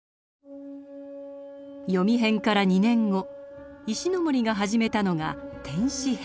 「ヨミ編」から２年後石森が始めたのが「天使編」。